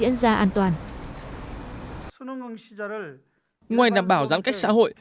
ngoài đảm bảo giãn cách xã hội